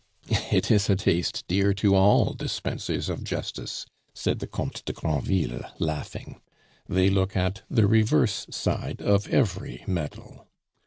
"It is a taste dear to all dispensers of justice," said the Comte de Granville, laughing. "They look at the reverse side of every medal."